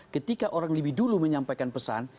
ketika orang lebih dulu menyampaikan pesan